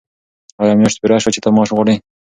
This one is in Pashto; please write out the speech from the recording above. آیا میاشت پوره شوه چې ته معاش غواړې؟